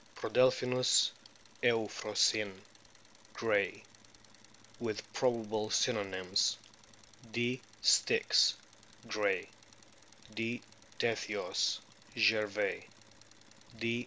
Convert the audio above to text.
Prodelphinus euphrosyne, Gray \ (with probable synonyms : D. styx, Gray ; D. tethyos, Gervais ; D.